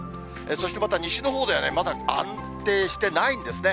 そしてまた西のほうでは、まだ安定してないんですね。